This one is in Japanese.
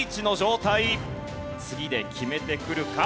次で決めてくるか？